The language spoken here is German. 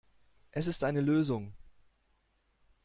Es ist eine Lösung.